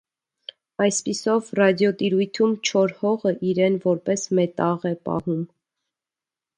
Այսպիսով ռադիոտիրույթում չոր հողը իրեն որպես մետաղ է պահում։